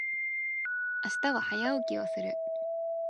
明日は早起きをする。